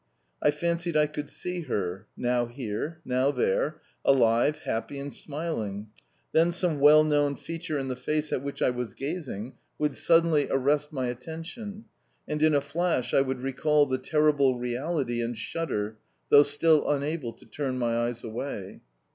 I fancied I could see her now here, now there, alive, happy, and smiling. Then some well known feature in the face at which I was gazing would suddenly arrest my attention, and in a flash I would recall the terrible reality and shudder though still unable to turn my eyes away.